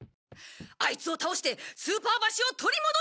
あいつを倒してスーパー箸を取り戻してきます。